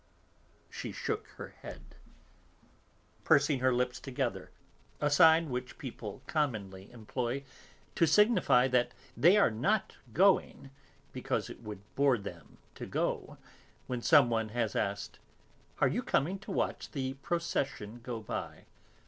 She shook her head, pursing her lips together; a sign which people commonly employ to signify that they are not going, because it would bore them to go, when some one has asked, "Are you coming to watch the procession go by?"